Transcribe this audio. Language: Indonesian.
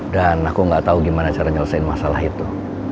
dan aku gak tau gimana cara nyelesain masalah itu